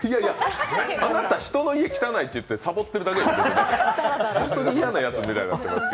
あなた人の家、汚いって言ってさぼってるだけですよ。